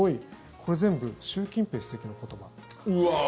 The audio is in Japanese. これ、全部習近平主席の言葉。